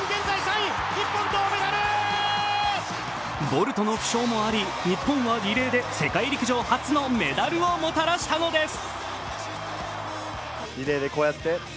ボルトの負傷もあり、日本はリレーで世界陸上初のメダルをもたらしたのです。